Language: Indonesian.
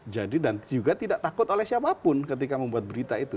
jadi dan juga tidak takut oleh siapapun ketika membuat berita itu